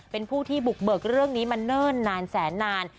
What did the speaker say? เรื่องนี้มาเนิ่นนานแสนนาน